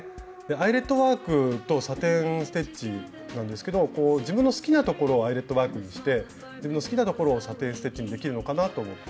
アイレットワークとサテン・ステッチなんですけど自分の好きなところをアイレットワークにして自分の好きなところをサテン・ステッチにできるのかなと思って。